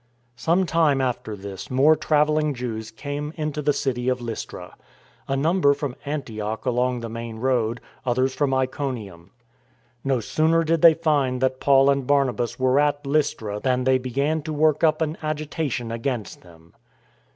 Some time after this more travelling Jews came into the city of Lystra; a number from Antioch along the main road, others from Iconium. No sooner did they find that Paul and Barnabas were at Lystra than they began to work up an agita tion against them.